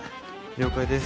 了解です。